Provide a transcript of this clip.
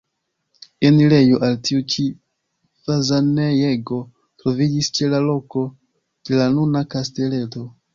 Enirejo al tiu ĉi fazanejego troviĝis ĉe la loko de la nuna kasteleto.